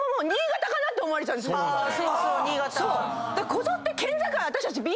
こぞって。